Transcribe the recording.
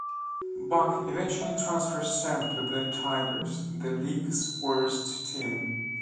Buck eventually transfers Sam to the Tigers, the league's worst team.